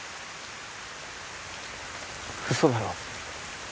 嘘だろ？